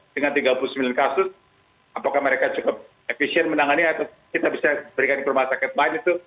dengan tiga puluh sembilan kasus apakah mereka cukup efisien menangani atau kita bisa berikan ke rumah sakit lain itu